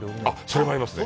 それもありますね。